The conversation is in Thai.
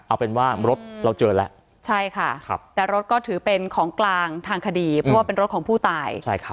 เอาเป็นว่ารถเราเจอแล้วใช่ค่ะแต่รถก็ถือเป็นของกลางทางคดีเพราะว่าเป็นรถของผู้ตาย